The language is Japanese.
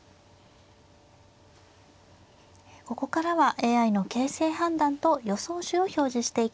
ここからはＡＩの形勢判断と予想手を表示していきます。